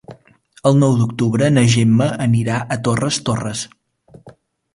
El nou d'octubre na Gemma anirà a Torres Torres.